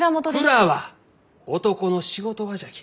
蔵は男の仕事場じゃき。